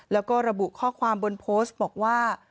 แล้วก็ระบุข้อความบนโพสต์บอกว่า